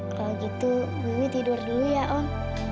kalau gitu mimi tidur dulu ya om